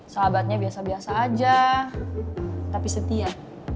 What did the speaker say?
sahabatnya biasa biasa aja tapi setia